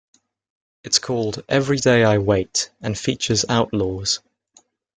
It's called "Everyday I Wait" and features Outlawz.